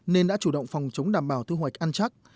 nên đã chủ động phòng chống đảm bảo thu hoạch ăn chắc